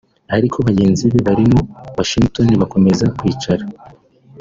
ariko bagenzi be barimo Washington bakomeza kwicara